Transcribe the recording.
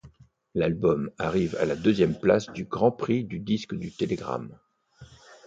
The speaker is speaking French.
L'album arrive à la deuxième place du Grand prix du disque du Télégramme.